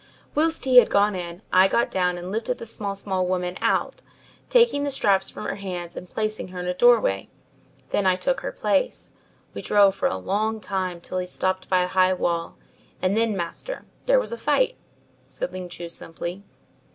Whilst he had gone in I got down and lifted the small small woman out, taking the straps from her hands and placing her in a doorway. Then I took her place. We drove for a long time till he stopped by a high wall, and then, master, there was a fight," said Ling Chu simply.